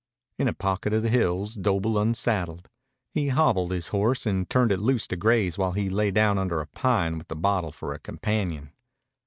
In a pocket of the hills Doble unsaddled. He hobbled his horse and turned it loose to graze while he lay down under a pine with the bottle for a companion.